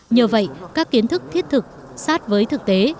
nhờ vậy các kiến thức thiết thực sát với thực tế